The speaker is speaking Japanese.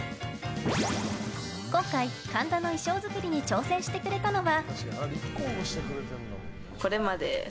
今回、神田の衣装作りに挑戦してくれたのは。